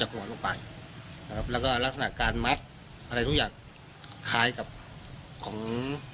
คล้ายกับของ